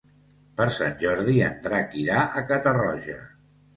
Per Sant Jordi en Drac irà a Catarroja.